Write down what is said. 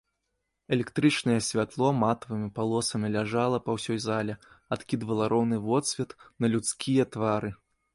Электрычнае святло матавымі палосамі ляжала па ўсёй зале, адкідвала роўны водсвет на людскія твары.